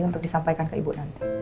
untuk disampaikan ke ibu nanti